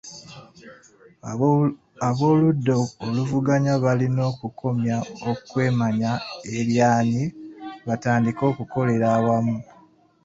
Ab’oludda oluvuganya balina okukomya okwemanya eryanyi batandike okukolera awamu.